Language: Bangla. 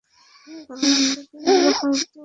কারন একসাথে আমরা হয়তো উত্থানটাকে থামাতে পারবো।